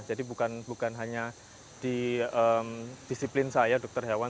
jadi bukan hanya di disiplin saya dokter hewan